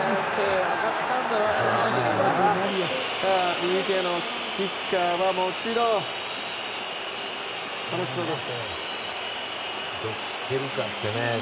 ＰＫのキッカーはもちろんこの人です。